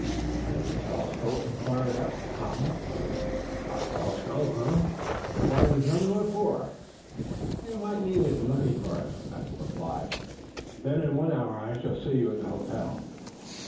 "Have you a telescope?" inquired Eph, calmly. "A telescope. Eh?" inquired the German. "What for?" "You might need it in looking for us," Eph replied. "Then, in one hour, I shall see you at the hotel!"